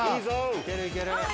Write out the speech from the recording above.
いけるいける！